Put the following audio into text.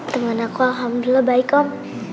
teman aku alhamdulillah baik om